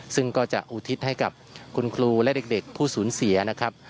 ซึ่งก็จะอุทิศให้กับคุณครูและเด็กผู้สูญเสียนะครับ